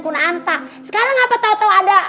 kunanta sekarang kenapa tau tau ada